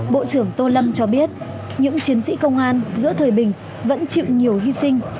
bộ trưởng tô lâm cho biết những chiến sĩ công an giữa thời bình vẫn chịu nhiều hy sinh